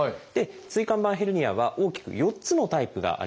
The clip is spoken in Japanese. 椎間板ヘルニアは大きく４つのタイプがあります。